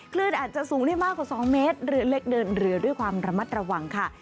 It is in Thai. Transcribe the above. คลื่นอาจจะสูงได้มากกว่า๒เมตรเรือเล็กเดินเรือด้วยความระมัดระวังค่ะ